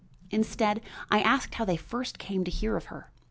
Instead I asked how they first came to hear of her.